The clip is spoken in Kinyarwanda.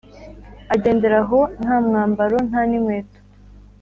agendera aho, nta mwabaro nta n’inkweto.